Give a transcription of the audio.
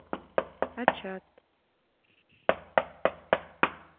Ачат